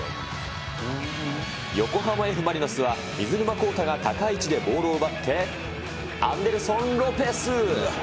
横浜Ｆ・マリノスは水沼宏太が高い位置でボールを奪って、アンデルソン・ロペス。